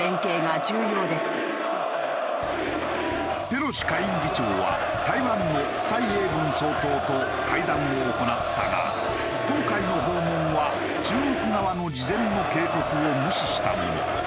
ペロシ下院議長は台湾の蔡英文総統と会談を行ったが今回の訪問は中国側の事前の警告を無視したもの。